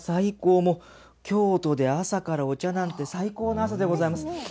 もう、京都で朝からお茶なんて、最高の朝でございます。